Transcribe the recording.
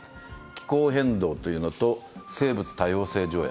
気候変動というのと生物多様性条約。